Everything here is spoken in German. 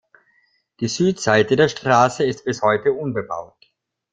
Die Südseite der Straße ist bis heute unbebaut.